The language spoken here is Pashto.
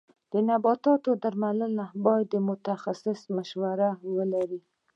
د نباتو درملنه باید د متخصص مشوره ولري.